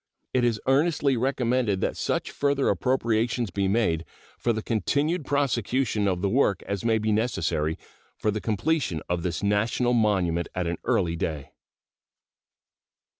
It is earnestly recommended that such further appropriations be made for the continued prosecution of the work as may be necessary for the completion of this national monument at an early day.